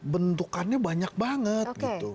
bentukannya banyak banget